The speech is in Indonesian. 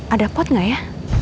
ada pot gak ya